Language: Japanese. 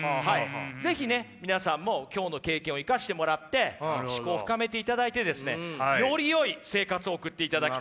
是非ね皆さんも今日の経験を生かしてもらって思考を深めていただいてですねよりよい生活を送っていただきたいと思います。